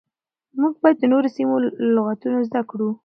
موږ بايد د نورو سيمو له لغتونو زده کړو.